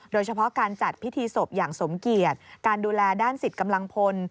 โดยเฉพาะการจัดพิธีศพอย่างสมเกียจการดูแลด้านสิทธิ์กำลังพล